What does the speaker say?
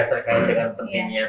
terkait dengan penginnya